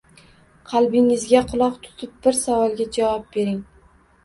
Qalbingizga quloq tutib, bir savolga javob bering: